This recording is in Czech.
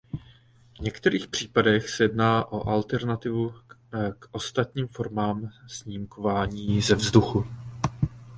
V některých případech se jedná o alternativu k ostatním formám snímkování ze vzduchu.